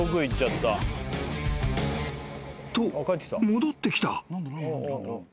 ［と戻ってきた］